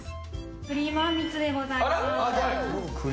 クリームあんみつでございます。